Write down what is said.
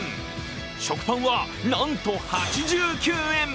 食パンは、なんと８９円。